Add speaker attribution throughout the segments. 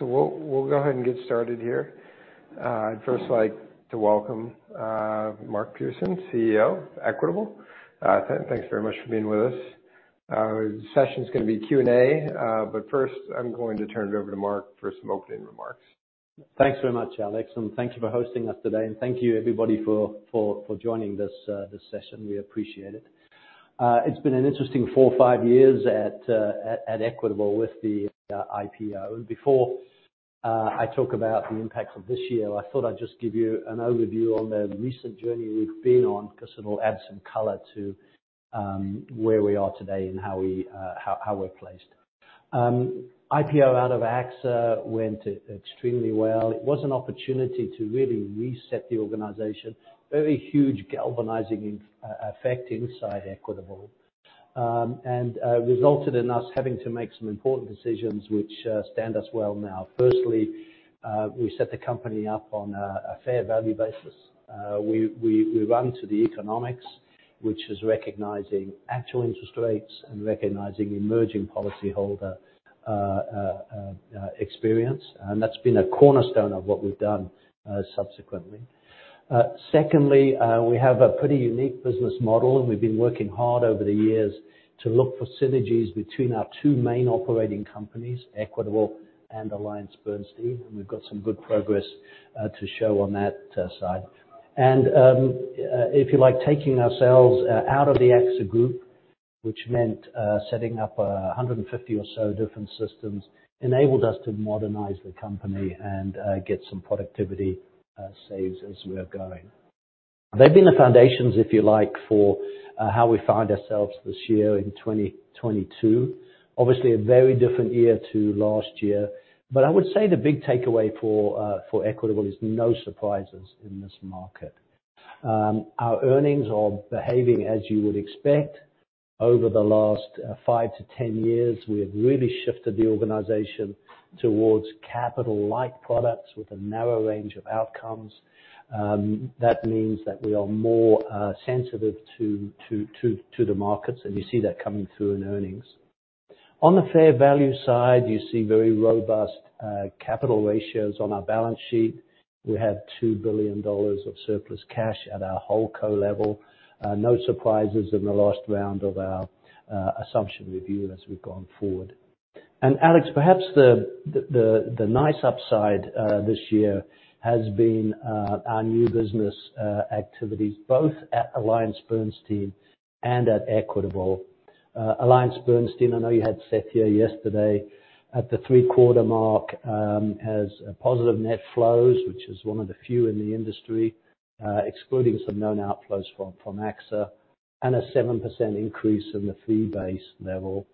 Speaker 1: We'll go ahead and get started here. I'd first like to welcome Mark Pearson, CEO, Equitable. Thanks very much for being with us. Our session's going to be Q&A, but first, I'm going to turn it over to Mark for some opening remarks.
Speaker 2: Thanks very much, Alex, and thank you for hosting us today. Thank you everybody for joining this session. We appreciate it. It's been an interesting four or five years at Equitable with the IPO. Before I talk about the impacts of this year, I thought I'd just give you an overview on the recent journey we've been on because it'll add some color to where we are today and how we're placed. IPO out of AXA went extremely well. It was an opportunity to really reset the organization, a very huge galvanizing effect inside Equitable, and resulted in us having to make some important decisions which stand us well now. Firstly, we set the company up on a fair value basis. We run to the economics, which is recognizing actual interest rates and recognizing emerging policyholder experience. That's been a cornerstone of what we've done subsequently. Secondly, we have a pretty unique business model, and we've been working hard over the years to look for synergies between our two main operating companies, Equitable and AllianceBernstein. We've got some good progress to show on that side. If you like, taking ourselves out of the AXA group, which meant setting up 150 or so different systems, enabled us to modernize the company and get some productivity saves as we are going. They've been the foundations, if you like, for how we find ourselves this year in 2022. Obviously, a very different year to last year. I would say the big takeaway for Equitable is no surprises in this market. Our earnings are behaving as you would expect. Over the last 5-10 years, we have really shifted the organization towards capital-like products with a narrow range of outcomes. That means that we are more sensitive to the markets, and you see that coming through in earnings. On the fair value side, you see very robust capital ratios on our balance sheet. We have $2 billion of surplus cash at our holdco level. No surprises in the last round of our assumption review as we've gone forward. Alex, perhaps the nice upside this year has been our new business activities, both at AllianceBernstein and at Equitable. AllianceBernstein, I know you had Seth here yesterday, at the three-quarter mark, has positive net flows, which is one of the few in the industry, excluding some known outflows from AXA, and a 7% increase in the fee base level.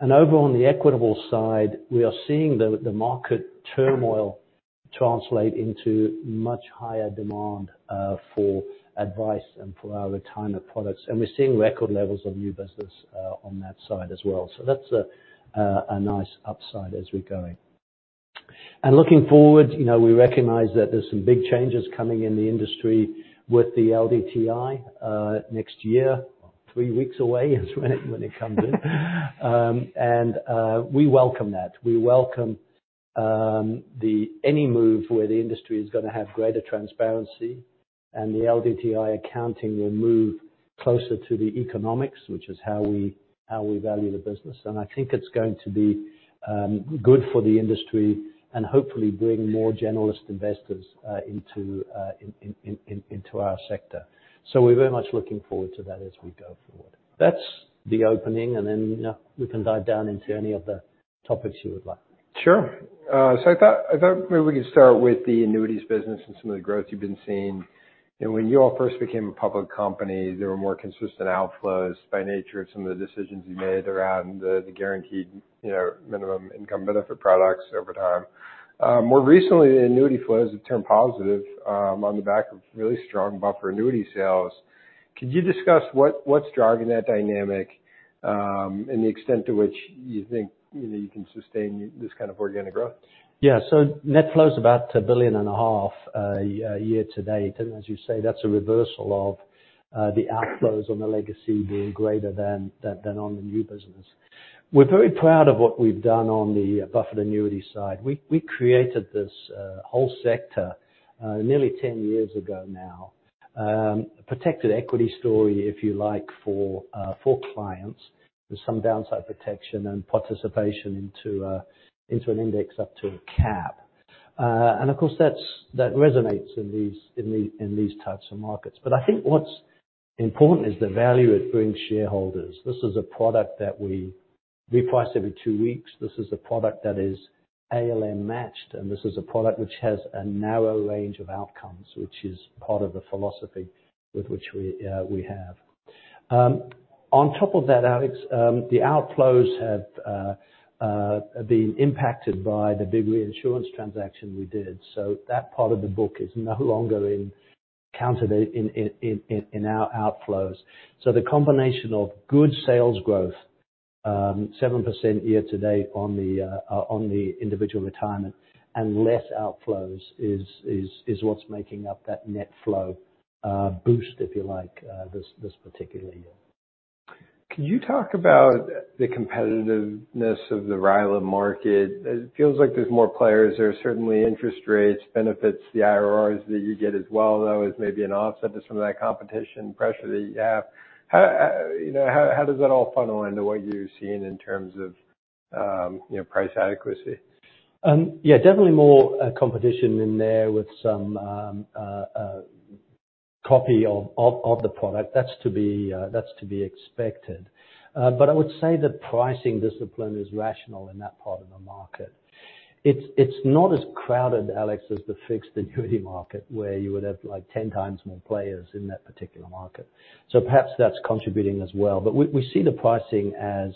Speaker 2: Over on the Equitable side, we are seeing the market turmoil translate into much higher demand for advice and for our retirement products. We're seeing record levels of new business on that side as well. That's a nice upside as we're going. Looking forward, we recognize that there's some big changes coming in the industry with the LDTI next year. Three weeks away is when it comes in. We welcome that. We welcome any move where the industry is going to have greater transparency, and the LDTI accounting will move closer to the economics, which is how we value the business. I think it's going to be good for the industry and hopefully bring more generalist investors into our sector. We're very much looking forward to that as we go forward. That's the opening. Then we can dive down into any of the topics you would like.
Speaker 1: Sure. I thought maybe we could start with the annuities business and some of the growth you've been seeing. When you all first became a public company, there were more consistent outflows by nature of some of the decisions you made around the guaranteed minimum income benefit products over time. More recently, the annuity flows have turned positive on the back of really strong buffer annuity sales. Could you discuss what's driving that dynamic, and the extent to which you think you can sustain this kind of organic growth?
Speaker 2: Yeah. Net flow's about $1.5 billion year to date. As you say, that's a reversal of the outflows on the legacy being greater than on the new business. We're very proud of what we've done on the buffered annuity side. We created this whole sector nearly 10 years ago now. Protected equity story, if you like, for clients. There's some downside protection and participation into an index up to a cap. Of course that resonates in these types of markets. I think what's important is the value it brings shareholders. This is a product that we reprice every two weeks. This is a product that is ALM matched. This is a product which has a narrow range of outcomes, which is part of the philosophy with which we have. On top of that, Alex, the outflows have been impacted by the big reinsurance transaction we did. That part of the book is no longer encountered in our outflows. The combination of good sales growth, 7% year to date on the individual retirement, and less outflows is what's making up that net flow boost, if you like, this particular year.
Speaker 1: Can you talk about the competitiveness of the RILA market? It feels like there's more players. There are certainly interest rates benefits, the IRRs that you get as well, though, as maybe an offset just from that competition pressure that you have. How does that all funnel into what you're seeing in terms of price adequacy?
Speaker 2: Yeah. Definitely more competition in there with some copy of the product. That's to be expected. I would say that pricing discipline is rational in that part of the market. It's not as crowded, Alex, as the fixed annuity market, where you would have 10 times more players in that particular market. Perhaps that's contributing as well. We see the pricing as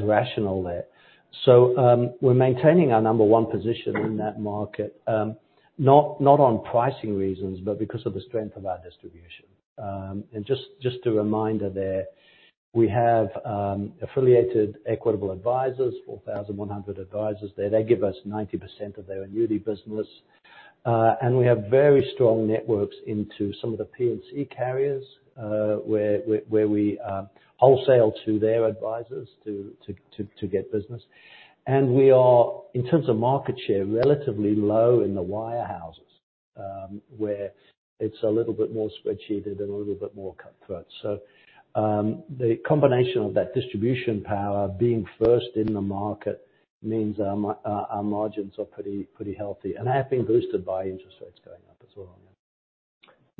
Speaker 2: rational there. We're maintaining our number one position in that market, not on pricing reasons, but because of the strength of our distribution. Just a reminder there, we have affiliated Equitable Advisors, 4,100 advisors there. They give us 90% of their annuity business. We have very strong networks into some of the P&C carriers, where we wholesale to their advisors to get business. We are, in terms of market share, relatively low in the wirehouses, where it's a little bit more spreadsheeted and a little bit more cutthroat. The combination of that distribution power being first in the market means our margins are pretty healthy and have been boosted by interest rates going up as well.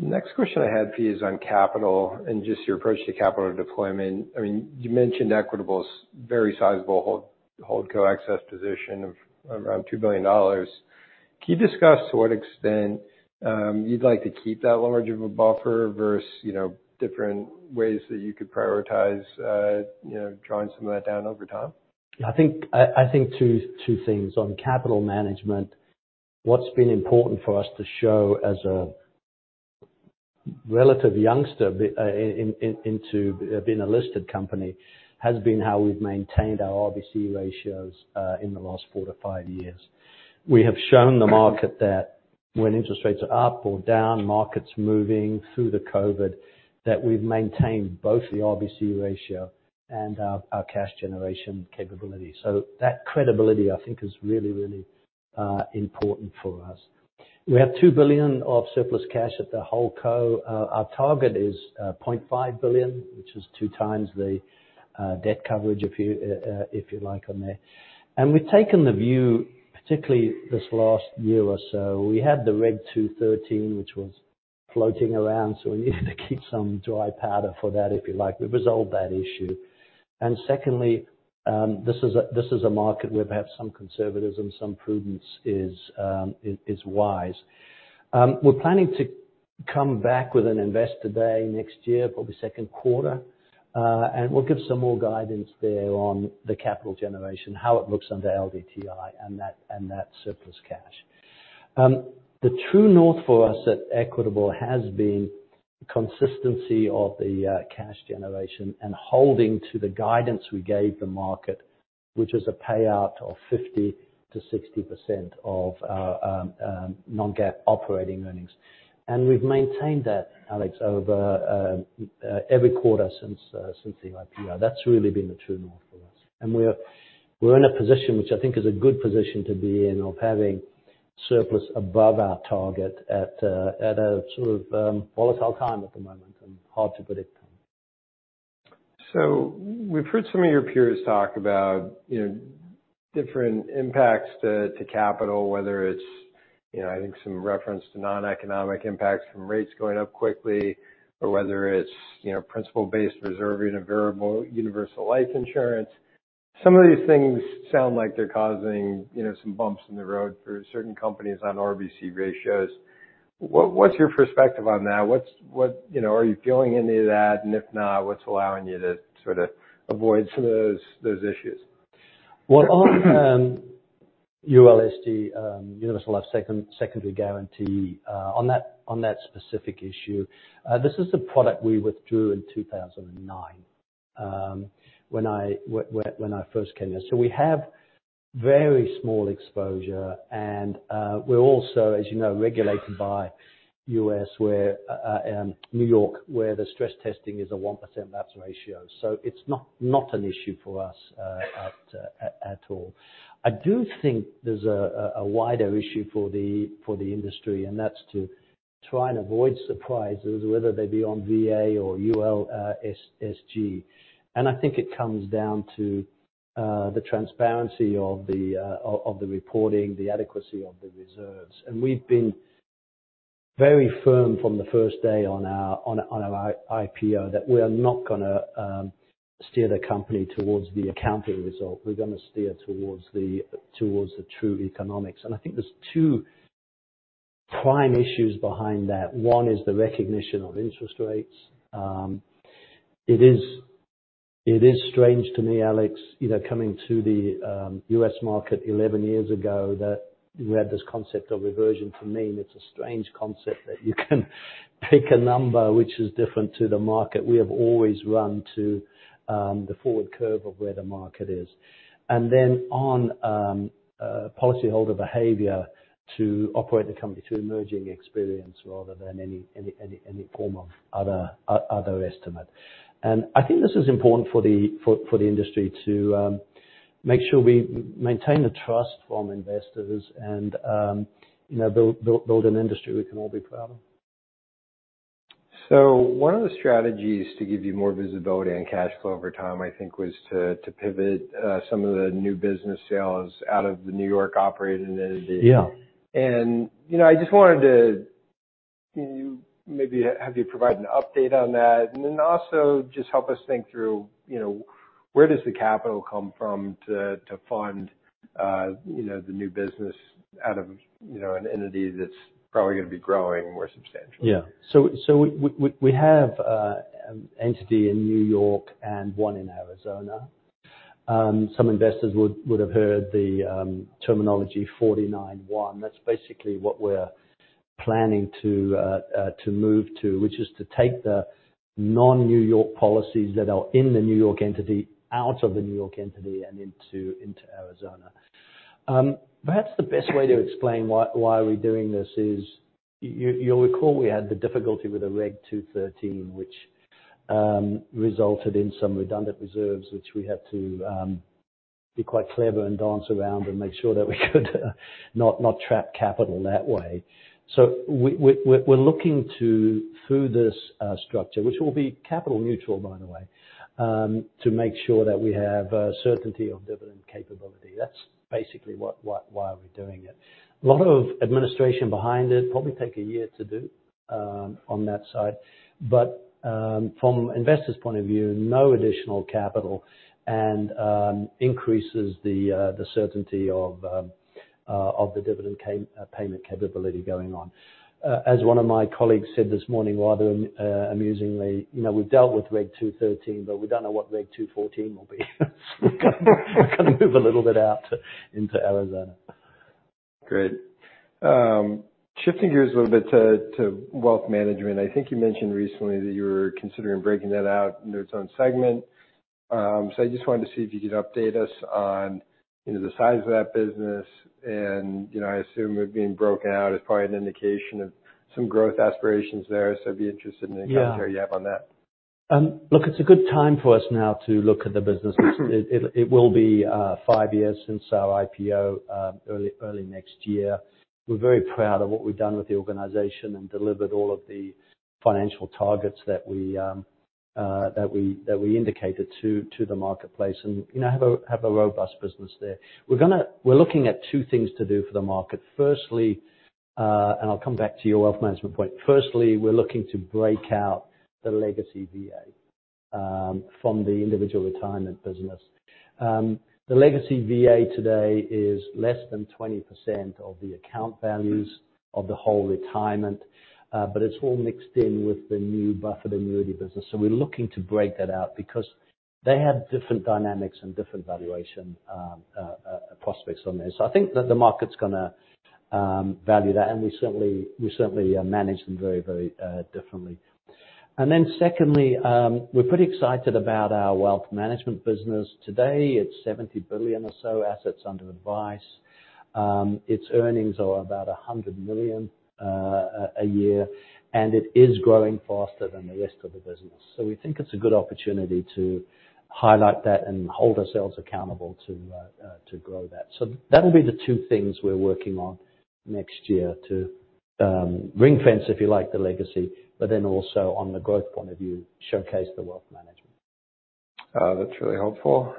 Speaker 1: Next question I had for you is on capital and just your approach to capital deployment. You mentioned Equitable's very sizable holdco excess position of around $2 billion. Can you discuss to what extent you'd like to keep that large of a buffer versus different ways that you could prioritize drawing some of that down over time?
Speaker 2: I think two things. On capital management, what's been important for us to show as a relative youngster into being a listed company has been how we've maintained our RBC ratios in the last 4 to 5 years. We have shown the market that when interest rates are up or down, markets moving through the COVID, that we've maintained both the RBC ratio and our cash generation capability. That credibility, I think, is really important for us. We have $2 billion of surplus cash at the holdco. Our target is $0.5 billion, which is 2 times the debt coverage, if you like, on there. We've taken the view, particularly this last year or so, we had the Reg 213, which was floating around. We needed to keep some dry powder for that, if you like. We resolved that issue. Secondly, this is a market where perhaps some conservatism, some prudence is wise. We're planning to come back with an investor day next year, probably 2Q. We'll give some more guidance there on the capital generation, how it looks under LDTI and that surplus cash. The true north for us at Equitable has been consistency of the cash generation and holding to the guidance we gave the market, which is a payout of 50%-60% of our non-GAAP operating earnings. We've maintained that, Alex, over every quarter since the IPO. That's really been the true north for us. We're in a position, which I think is a good position to be in, of having surplus above our target at a volatile time at the moment, and hard to predict.
Speaker 1: We've heard some of your peers talk about different impacts to capital, whether it's, I think, some reference to non-economic impacts from rates going up quickly, or whether it's principle-based reserving and variable universal life insurance. Some of these things sound like they're causing some bumps in the road for certain companies on RBC ratios. What's your perspective on that? Are you feeling any of that, and if not, what's allowing you to avoid some of those issues?
Speaker 2: On ULSG, Universal Life with Secondary Guarantees, on that specific issue, this is the product we withdrew in 2009, when I first came here. We have very small exposure. We're also, as you know, regulated by U.S., where N.Y., where the stress testing is a 1% lapse ratio. It's not an issue for us at all. I do think there's a wider issue for the industry, that's to try and avoid surprises, whether they be on VA or ULSG. I think it comes down to the transparency of the reporting, the adequacy of the reserves. We've been very firm from the first day on our IPO that we are not going to steer the company towards the accounting result. We're going to steer towards the true economics. I think there's 2 prime issues behind that. One is the recognition of interest rates. It is strange to me, Alex, coming to the U.S. market 11 years ago, that we had this concept of reversion to mean. It's a strange concept that you can pick a number which is different to the market. We have always run to the forward curve of where the market is. Then on policyholder behavior to operate the company to emerging experience rather than any form of other estimate. I think this is important for the industry to make sure we maintain the trust from investors and build an industry we can all be proud of.
Speaker 1: One of the strategies to give you more visibility and cash flow over time, I think, was to pivot some of the new business sales out of the N.Y. operating entity.
Speaker 2: Yeah.
Speaker 1: I just wanted to maybe have you provide an update on that also just help us think through, where does the capital come from to fund the new business out of an entity that's probably going to be growing more substantially?
Speaker 2: We have an entity in N.Y. and one in Arizona. Some investors would have heard the terminology 49-1. That's basically what we're planning to move to, which is to take the non-N.Y. policies that are in the N.Y. entity out of the N.Y. entity and into Arizona. Perhaps the best way to explain why we're doing this is, you'll recall we had the difficulty with the Reg 213, which resulted in some redundant reserves, which we had to be quite clever and dance around and make sure that we could not trap capital that way. We're looking to, through this structure, which will be capital neutral, by the way, to make sure that we have certainty of dividend capability. That's basically why we're doing it. A lot of administration behind it, probably take a year to do on that side. From investors' point of view, no additional capital and increases the certainty of the dividend payment capability going on. As one of my colleagues said this morning, rather amusingly, we've dealt with Reg 213, we don't know what Reg 214 will be. We're going to move a little bit out into Arizona.
Speaker 1: Great. Shifting gears a little bit to wealth management. I think you mentioned recently that you were considering breaking that out into its own segment. I just wanted to see if you could update us on the size of that business and, I assume it being broken out is probably an indication of some growth aspirations there, so I'd be interested in any commentary you have on that.
Speaker 2: Look, it's a good time for us now to look at the business. It will be five years since our IPO, early next year. We're very proud of what we've done with the organization and delivered all of the financial targets that we indicated to the marketplace. Have a robust business there. We're looking at two things to do for the market. I'll come back to your wealth management point. Firstly, we're looking to break out the legacy VA, from the individual retirement business. The legacy VA today is less than 20% of the account values of the whole retirement. It's all mixed in with the new buffered annuity business. We're looking to break that out because they have different dynamics and different valuation prospects on there. I think that the market's going to value that, and we certainly manage them very differently. Secondly, we're pretty excited about our wealth management business. Today, it's $70 billion or so assets under advice. Its earnings are about $100 million a year, and it is growing faster than the rest of the business. We think it's a good opportunity to highlight that and hold ourselves accountable to grow that. That'll be the two things we're working on next year to ring-fence, if you like, the legacy, but then also on the growth point of view, showcase the wealth management.
Speaker 1: That's really helpful.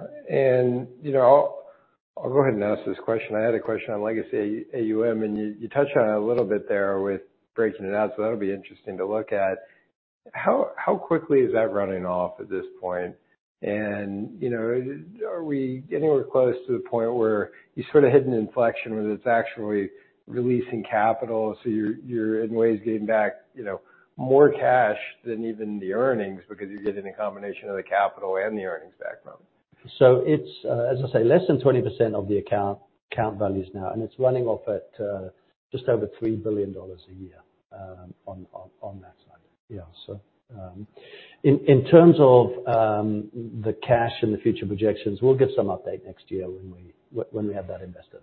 Speaker 1: I'll go ahead and ask this question. I had a question on legacy AUM, and you touched on it a little bit there with breaking it out, so that'll be interesting to look at. How quickly is that running off at this point? Are we anywhere close to the point where you sort of hit an inflection where it's actually releasing capital, so you're in ways getting back more cash than even the earnings because you're getting a combination of the capital and the earnings back from them?
Speaker 2: It's, as I say, less than 20% of the account values now, and it's running off at just over $3 billion a year on that side. Yeah. In terms of the cash and the future projections, we'll give some update next year when we have that invested.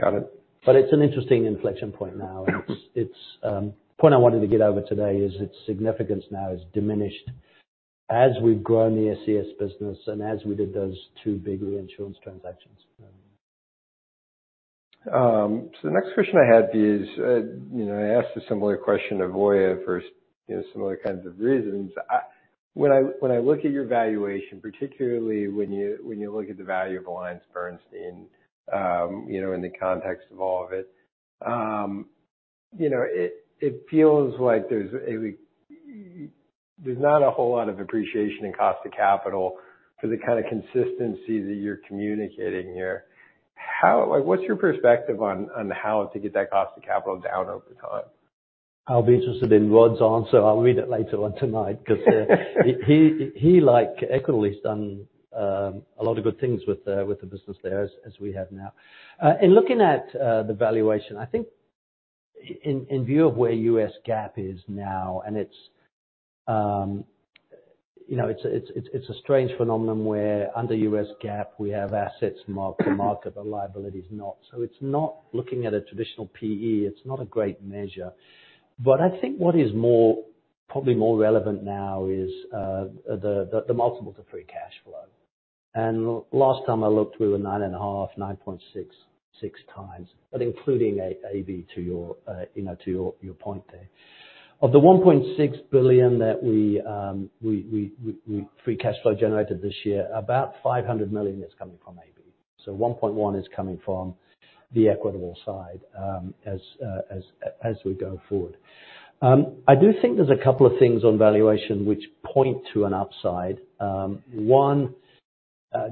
Speaker 1: Got it.
Speaker 2: It's an interesting inflection point now. The point I wanted to get over today is its significance now is diminished as we've grown the SCS business and as we did those two big reinsurance transactions.
Speaker 1: The next question I had is, I asked a similar question of Voya for similar kinds of reasons. When I look at your valuation, particularly when you look at the value of AllianceBernstein in the context of all of it. It feels like there's not a whole lot of appreciation in cost of capital for the kind of consistency that you're communicating here. What's your perspective on how to get that cost of capital down over time?
Speaker 2: I'll be interested in Rod's answer. I'll read it later on tonight. Because he, like Equitable, has done a lot of good things with the business there as we have now. In looking at the valuation, I think in view of where U.S. GAAP is now, and it's a strange phenomenon where under U.S. GAAP, we have assets marked to market, but liability is not. It's not looking at a traditional PE, it's not a great measure. I think what is probably more relevant now is the multiples of free cash. Last time I looked, we were 9.5, 9.66 times, but including AB to your point there. Of the $1.6 billion that we free cash flow generated this year, about $500 million is coming from AB. $1.1 is coming from the Equitable side as we go forward. I do think there's a couple of things on valuation which point to an upside. One,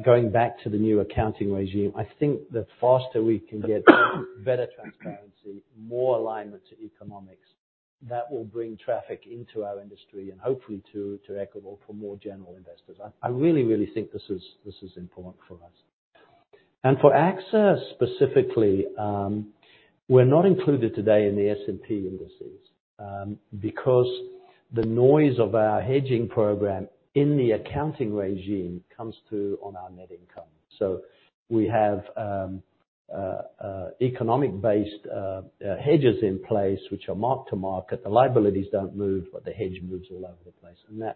Speaker 2: going back to the new accounting regime, I think the faster we can get better transparency, more alignment to economics, that will bring traffic into our industry and hopefully to Equitable for more general investors. I really think this is important for us. For AXA specifically, we're not included today in the S&P indices because the noise of our hedging program in the accounting regime comes through on our net income. We have economic-based hedges in place, which are mark to market. The liabilities don't move, but the hedge moves all over the place.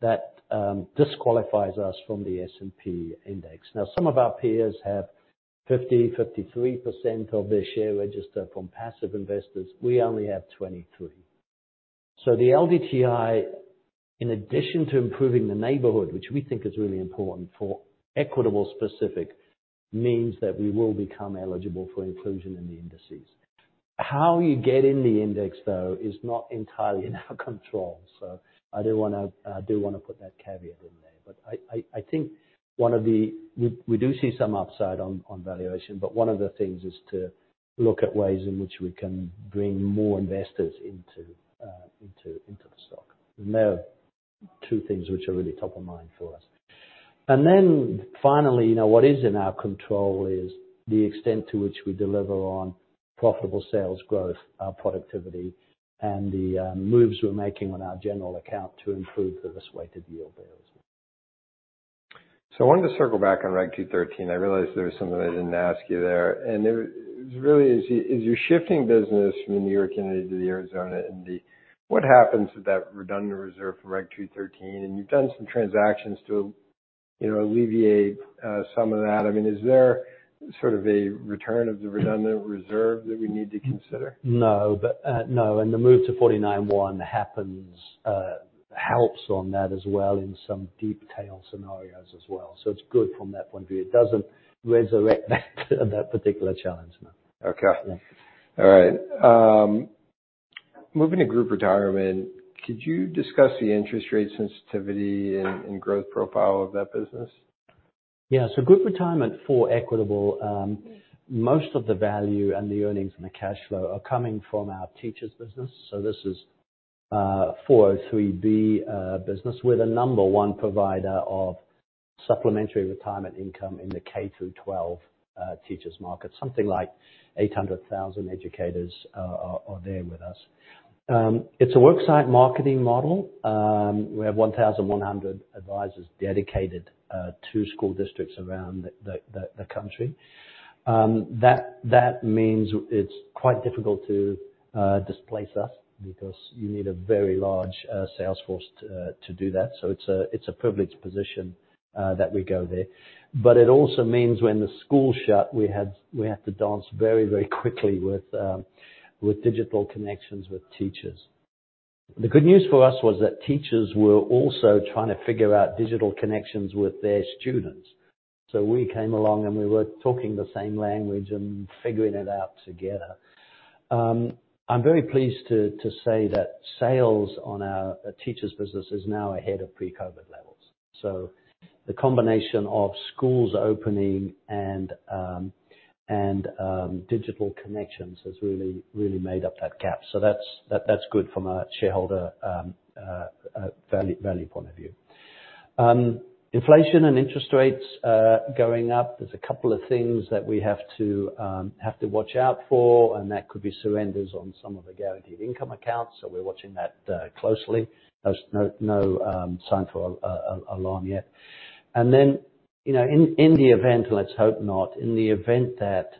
Speaker 2: That disqualifies us from the S&P index. Some of our peers have 50%, 53% of their share register from passive investors. We only have 23%. The LDTI, in addition to improving the neighborhood, which we think is really important for Equitable specific, means that we will become eligible for inclusion in the indices. How you get in the index, though, is not entirely in our control. I do want to put that caveat in there. I think we do see some upside on valuation, but one of the things is to look at ways in which we can bring more investors into the stock. They are two things which are really top of mind for us. Finally, what is in our control is the extent to which we deliver on profitable sales growth, our productivity, and the moves we're making on our general account to improve the risk-weighted yield there as well.
Speaker 1: I wanted to circle back on Regulation 213. I realized there was something I didn't ask you there. It was really, as you're shifting business from N.Y. and into the Arizona entity, what happens with that redundant reserve for Regulation 213? You've done some transactions to alleviate some of that. Is there sort of a return of the redundant reserve that we need to consider?
Speaker 2: No. The move to Form 49-1 happens, helps on that as well in some deep tail scenarios as well. It's good from that point of view. It doesn't resurrect that particular challenge, no.
Speaker 1: Okay.
Speaker 2: Yeah.
Speaker 1: All right. Moving to group retirement, could you discuss the interest rate sensitivity and growth profile of that business?
Speaker 2: Yeah. Group retirement for Equitable, most of the value and the earnings and the cash flow are coming from our teachers business. This is 403(b) business. We're the number 1 provider of supplementary retirement income in the K through 12 teachers market. Something like 800,000 educators are there with us. It's a work site marketing model. We have 1,100 advisors dedicated to school districts around the country. That means it's quite difficult to displace us because you need a very large sales force to do that. It's a privileged position that we go there. It also means when the schools shut, we have to dance very quickly with digital connections with teachers. The good news for us was that teachers were also trying to figure out digital connections with their students. We came along, we were talking the same language and figuring it out together. I'm very pleased to say that sales on our teachers business is now ahead of pre-COVID levels. The combination of schools opening and digital connections has really made up that gap. That's good from a shareholder value point of view. Inflation and interest rates going up, there's a couple of things that we have to watch out for, that could be surrenders on some of the guaranteed income accounts. We're watching that closely. There's no sign for alarm yet. In the event, let's hope not, in the event that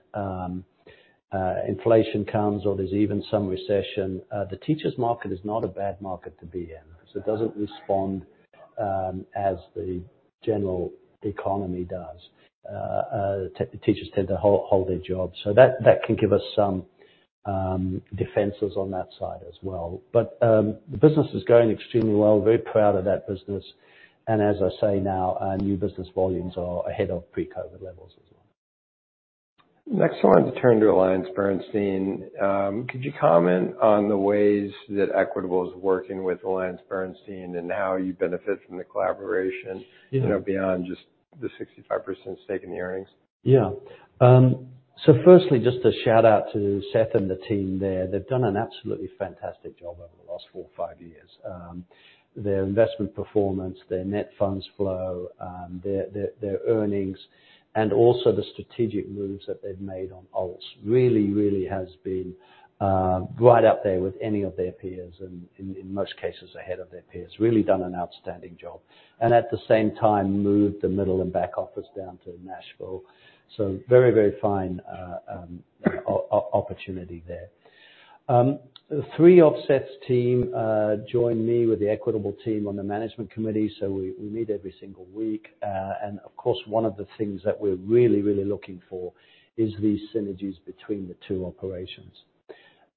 Speaker 2: inflation comes or there's even some recession, the teachers market is not a bad market to be in. It doesn't respond as the general economy does. Teachers tend to hold their jobs. That can give us some defenses on that side as well. The business is going extremely well, very proud of that business. As I say now, our new business volumes are ahead of pre-COVID levels as well.
Speaker 1: Next, I wanted to turn to AllianceBernstein. Could you comment on the ways that Equitable is working with AllianceBernstein and how you benefit from the collaboration-
Speaker 2: Yeah
Speaker 1: beyond just the 65% stake in the earnings?
Speaker 2: Firstly, just a shout-out to Seth and the team there. They've done an absolutely fantastic job over the last four or five years. Their investment performance, their net funds flow, their earnings, and also the strategic moves that they've made on ALTS really has been right up there with any of their peers, and in most cases, ahead of their peers. Really done an outstanding job. At the same time, moved the middle and back office down to Nashville. Very fine opportunity there. The three offsets team join me with the Equitable team on the management committee, so we meet every single week. Of course, one of the things that we are really looking for is these synergies between the two operations.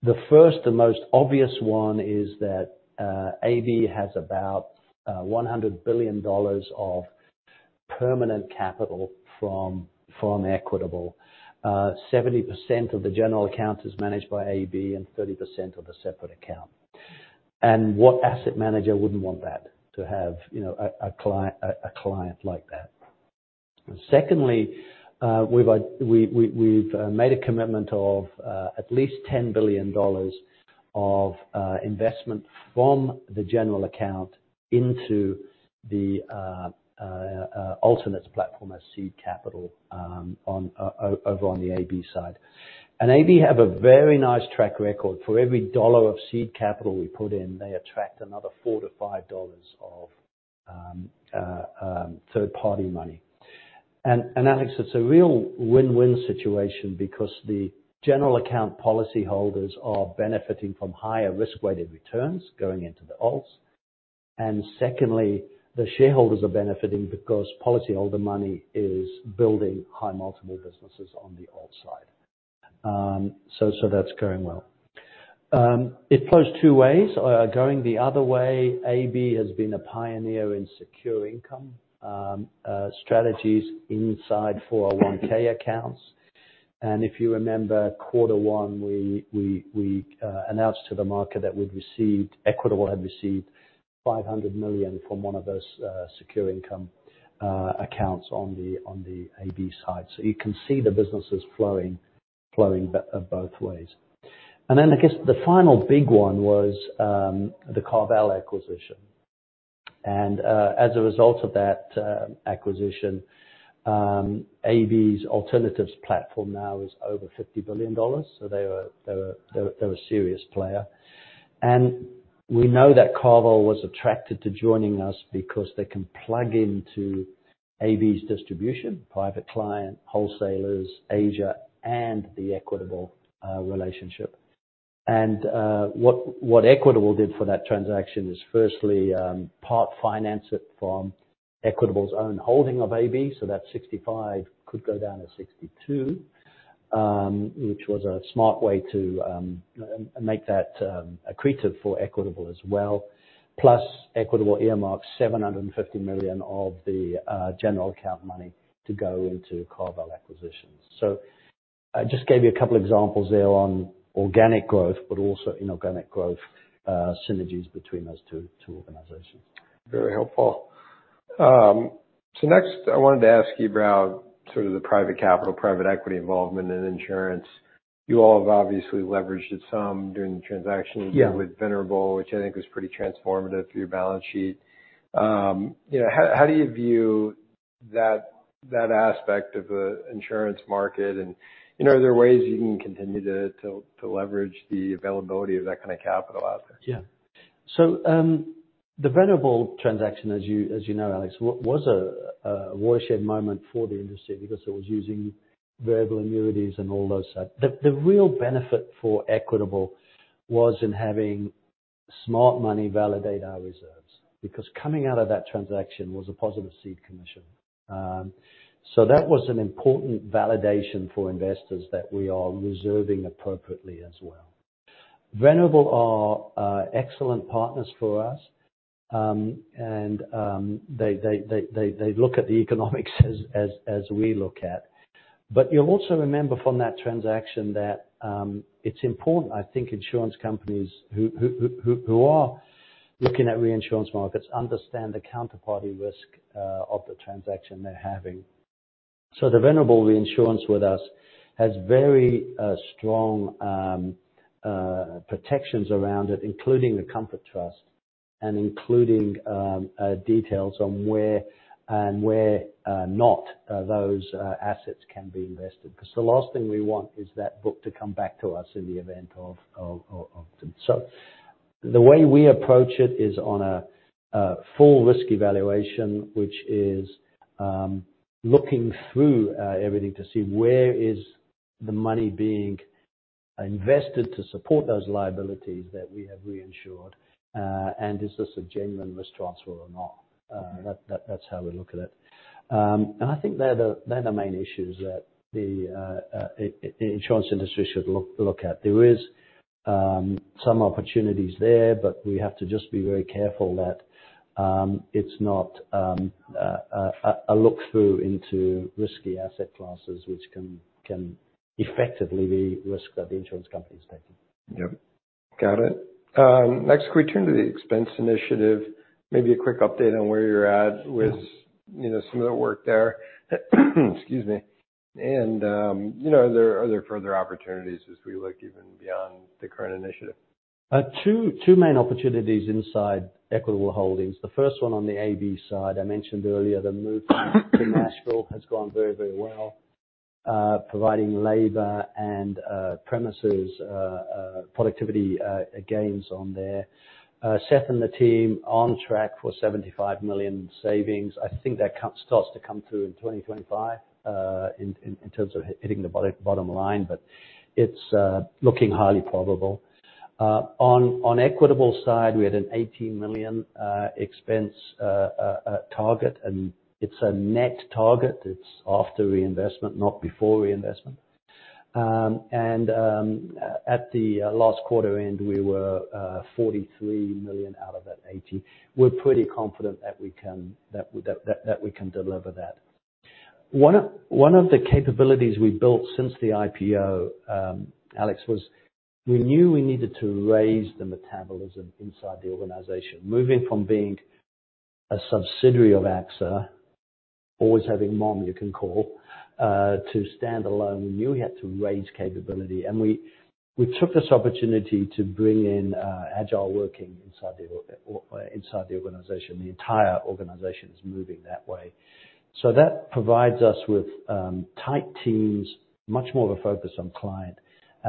Speaker 2: The first and most obvious one is that AB has about $100 billion of permanent capital from Equitable. 70% of the general account is managed by AB and 30% of the separate account. What asset manager wouldn't want that, to have a client like that? Secondly, we've made a commitment of at least $10 billion of investment from the general account into the ALTS platform as seed capital over on the AB side. AB have a very nice track record. For every dollar of seed capital we put in, they attract another $4-$5 of third-party money. Alex, it's a real win-win situation because the general account policyholders are benefiting from higher risk-weighted returns going into the ALTS. Secondly, the shareholders are benefiting because policyholder money is building high multiple businesses on the ALTS side. That's going well. It flows two ways. Going the other way, AB has been a pioneer in secure income strategies inside 401 accounts. If you remember quarter one, we announced to the market that Equitable had received $500 million from one of those secure income accounts on the AB side. You can see the businesses flowing both ways. I guess the final big one was the CarVal acquisition. As a result of that acquisition, AB's alternatives platform now is over $50 billion. They're a serious player. We know that CarVal was attracted to joining us because they can plug into AB's distribution, private client, wholesalers, Asia, and the Equitable relationship. What Equitable did for that transaction is firstly, part finance it from Equitable's own holding of AB, so that 65 could go down to 62, which was a smart way to make that accretive for Equitable as well. Plus, Equitable earmarked $750 million of the general account money to go into CarVal acquisitions. I just gave you a couple examples there on organic growth, but also inorganic growth synergies between those two organizations.
Speaker 1: Very helpful. Next I wanted to ask you about the private capital, private equity involvement in insurance. You all have obviously leveraged it some during the transaction
Speaker 2: Yeah
Speaker 1: with Venerable, which I think was pretty transformative for your balance sheet. How do you view that aspect of the insurance market and are there ways you can continue to leverage the availability of that kind of capital out there?
Speaker 2: Yeah. The Venerable transaction, as you know Alex, was a watershed moment for the industry because it was using variable annuities and all those. The real benefit for Equitable was in having smart money validate our reserves, because coming out of that transaction was a positive ceding commission. That was an important validation for investors that we are reserving appropriately as well. Venerable are excellent partners for us. They look at the economics as we look at. You'll also remember from that transaction that it's important, I think insurance companies who are looking at reinsurance markets understand the counterparty risk of the transaction they're having. The Venerable reinsurance with us has very strong protections around it, including the comfort trust and including details on where and where not those assets can be invested. Because the last thing we want is that book to come back to us. The way we approach it is on a full risk evaluation, which is looking through everything to see where is the money being invested to support those liabilities that we have reinsured, and is this a genuine risk transfer or not? That's how we look at it. I think they're the main issues that the insurance industry should look at. There is some opportunities there, we have to just be very careful that it's not a look through into risky asset classes, which can effectively be risk that the insurance company is taking.
Speaker 1: Yep. Can we turn to the expense initiative, maybe a quick update on where you're at with some of the work there. Excuse me. Are there further opportunities as we look even beyond the current initiative?
Speaker 2: Two main opportunities inside Equitable Holdings. The first one on the AB side I mentioned earlier, the move to Nashville has gone very well. Providing labor and premises productivity gains on there. Seth and the team on track for $75 million savings. I think that starts to come through in 2025, in terms of hitting the bottom line. It's looking highly probable. On Equitable's side, we had an $80 million expense target, it's a net target. It's after reinvestment, not before reinvestment. At the last quarter end, we were $43 million out of that $80 million. We're pretty confident that we can deliver that. One of the capabilities we built since the IPO, Alex, was we knew we needed to raise the metabolism inside the organization. Moving from being a subsidiary of AXA, always having mom you can call, to stand alone. We knew we had to raise capability, we took this opportunity to bring in agile working inside the organization. The entire organization is moving that way. That provides us with tight teams, much more of a focus on client,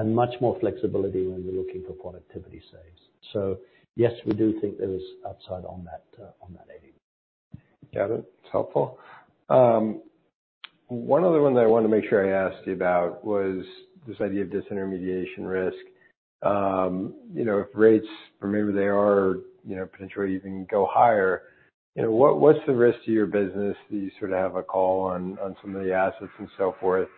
Speaker 2: much more flexibility when we're looking for productivity saves. Yes, we do think there is upside on that $80 million.
Speaker 1: Got it. It's helpful. One other one that I wanted to make sure I asked you about was this idea of disintermediation risk. If rates, or maybe they are potentially even go higher, what's the risk to your business that you have a call on some of the assets and so forth,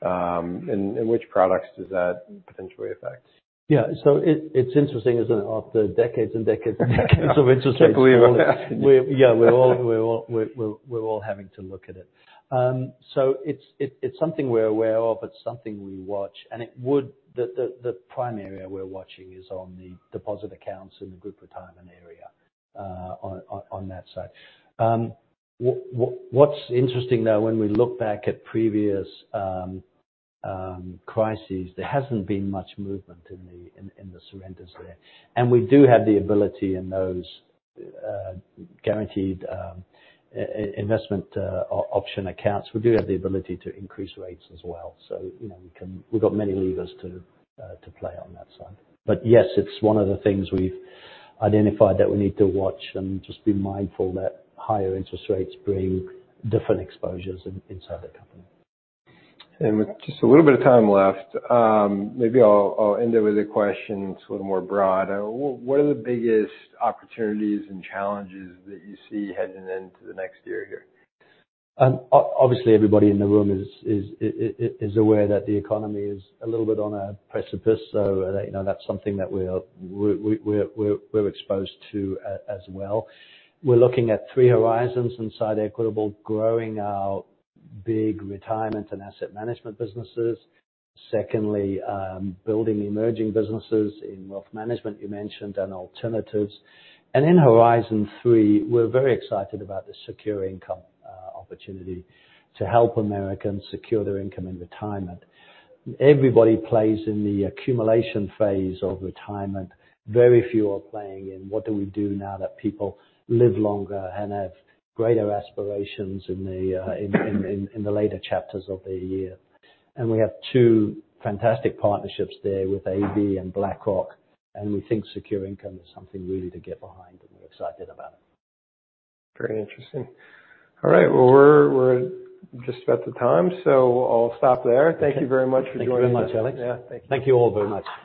Speaker 1: which products does that potentially affect?
Speaker 2: Yeah. It's interesting, isn't it? After decades and decades and decades of interest rates.
Speaker 1: I believe
Speaker 2: Yeah, we're all having to look at it. It's something we're aware of. It's something we watch, the prime area we're watching is on the deposit accounts in the group retirement area, on that side. What's interesting, though, when we look back at previous crises, there hasn't been much movement in the surrenders there. We do have the ability in those guaranteed investment option accounts, we do have the ability to increase rates as well. We've got many levers to play on that side. Yes, it's one of the things we've identified that we need to watch and just be mindful that higher interest rates bring different exposures inside the company.
Speaker 1: With just a little bit of time left, maybe I'll end it with a question. It's a little more broad. What are the biggest opportunities and challenges that you see heading into the next year here?
Speaker 2: Obviously, everybody in the room is aware that the economy is a little bit on a precipice, so that's something that we're exposed to as well. We're looking at three horizons inside Equitable, growing our big retirement and asset management businesses. Secondly, building emerging businesses in wealth management, you mentioned, and alternatives. In horizon three, we're very excited about the secure income opportunity to help Americans secure their income in retirement. Everybody plays in the accumulation phase of retirement. Very few are playing in what do we do now that people live longer and have greater aspirations in the later chapters of their year. We have two fantastic partnerships there with AB and BlackRock, and we think secure income is something really to get behind, and we're excited about it.
Speaker 1: Very interesting. All right, well, we're just about at time, so I'll stop there. Thank you very much for joining us.
Speaker 2: Thank you very much, Alex.
Speaker 1: Yeah. Thank you.
Speaker 2: Thank you all very much.